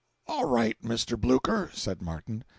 "All right, Mr. Blucher," said Martin.